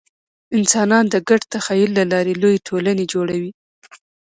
انسانان د ګډ تخیل له لارې لویې ټولنې جوړوي.